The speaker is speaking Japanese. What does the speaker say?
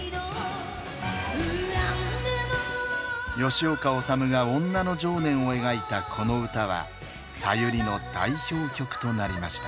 吉岡治が女の情念を描いたこの歌はさゆりの代表曲となりました。